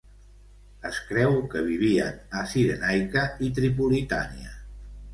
Es creu que vivien a Cirenaica i Tripolitània.